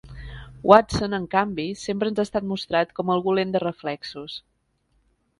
Watson, en canvi, sempre ens ha estat mostrat com algú lent de reflexos.